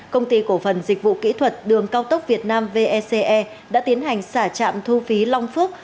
công ty cổ phần dịch vụ kỹ thuật đường cao tốc việt nam vece đã tiến hành xả chạm thu phí long phước